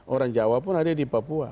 orang jawa pun ada di papua